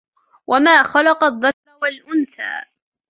وما خلق الذكر والأنثى